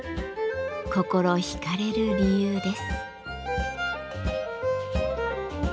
心惹かれる理由です。